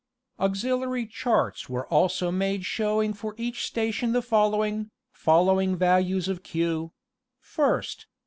Auxiliary charts were also made showing for each station the following following values of Q: Ist.